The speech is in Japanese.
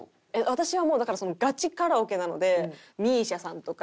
私はもうだからガチカラオケなのでＭＩＳＩＡさんとか。